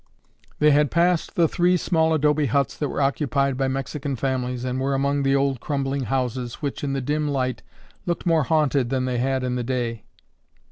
They had passed the three small adobe huts that were occupied by Mexican families and were among the old crumbling houses, which, in the dim light, looked more haunted than they had in the day.